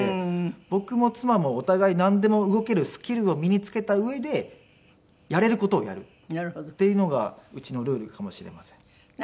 僕も妻もお互いなんでも動けるスキルを身につけた上でやれる事をやるっていうのがうちのルールかもしれません。